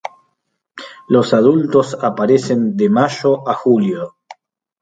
Los adultos aparecen de mayo a julio.